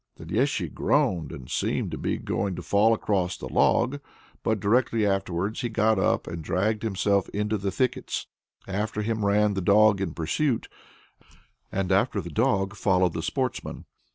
The Léshy groaned, and seemed to be going to fall across the log; but directly afterwards he got up and dragged himself into the thickets. After him ran the dog in pursuit, and after the dog followed the sportsman.